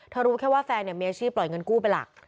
รู้แค่ว่าแฟนมีอาชีพปล่อยเงินกู้เป็นหลัก